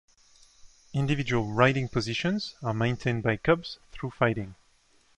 Individual riding positions are maintained by cubs through fighting.